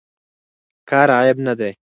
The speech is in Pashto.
کار عیب نه دی.